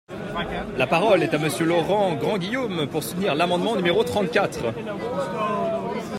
La parole est à Monsieur Laurent Grandguillaume, pour soutenir l’amendement numéro trente-quatre.